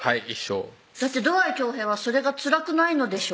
だって土合恭平はそれがつらくないのでしょ？